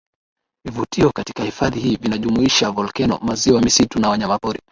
vivutio katika hifadhi hii vinajumuisha volkeno maziwa misitu na wanyamapori